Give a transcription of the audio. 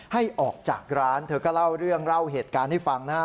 ให้ออกจากร้านเธอก็เล่าเรื่องเล่าเหตุการณ์ให้ฟังนะฮะ